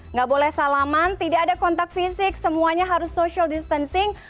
nggak boleh salaman tidak ada kontak fisik semuanya harus social distancing